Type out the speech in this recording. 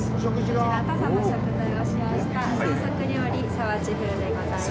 こちら、「土佐の食材を使用した創作料理皿鉢風」でございます。